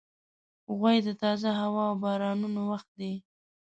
غویی د تازه هوا او بارانونو وخت دی.